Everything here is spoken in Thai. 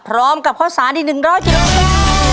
พร้อมกับข้อสารอีกหนึ่งร้อยเจ็ดกว่า